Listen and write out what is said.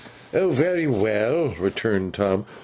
'Oh! very well!' returned Tom.